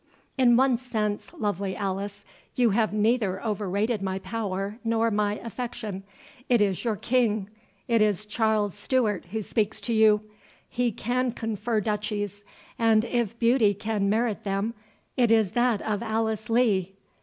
"In one sense, lovely Alice, you have neither overrated my power nor my affection. It is your King—it is Charles Stewart who speaks to you!—he can confer duchies, and if beauty can merit them, it is that of Alice Lee.